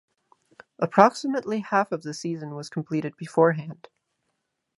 Approximately half of the season was completed beforehand.